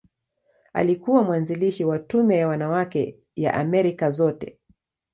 Alikuwa mwanzilishi wa Tume ya Wanawake ya Amerika Zote.